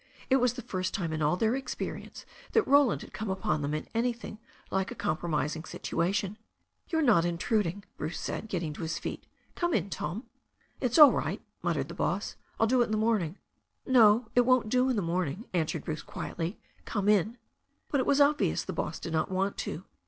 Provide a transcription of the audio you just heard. It was the first time in all their experience that Roland had come upon them in anything like a compromising situation. "You are not intruding," Bruce said, getting to his feet. "Come in, Tom." "It's all right," muttered the boss. "It'll do in the morn mg." "No, it won't do in the morning," answered Bruce quietly. "Come in." But it was obvious the boss did not want to.